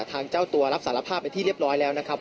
ทางเจ้าตัวรับสารภาพไปที่เรียบร้อยแล้วนะครับ